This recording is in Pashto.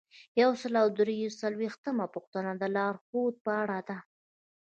یو سل او درې څلویښتمه پوښتنه د لارښوود په اړه ده.